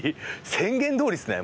宣言どおりですね